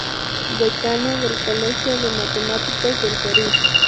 Decano del Colegio de Matemáticos del Perú.